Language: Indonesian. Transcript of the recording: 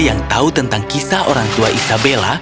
yang tahu tentang kisah orang tua isabella